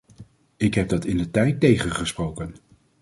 Ik heb dat indertijd tegengesproken.